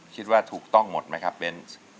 คิดว่าถูกต้องหมดไหมครับเบนส์